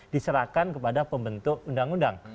diserahkan kepada pembentuk undang undang